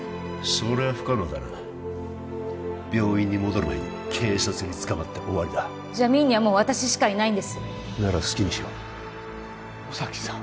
それは不可能だな病院に戻る前に警察に捕まって終わりだジャミーンにはもう私しかいないんですなら好きにしろ野崎さん